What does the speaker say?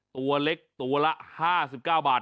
ตัวเล็กตัวละ๕๙บาท